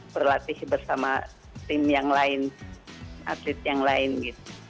berlatih bersama tim yang lain atlet yang lain gitu